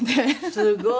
すごい。